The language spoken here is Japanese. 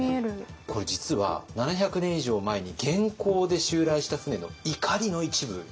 これ実は７００年以上前に元寇で襲来した船のいかりの一部なんです。